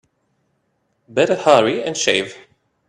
Better hurry and shave.